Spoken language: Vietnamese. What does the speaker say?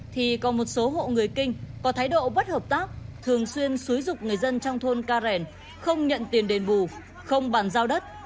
thì có một số hộ người kinh có thái độ bất hợp tác thường xuyên xúi dục người dân trong thôn ca rèn không nhận tiền đền bù không bàn giao đất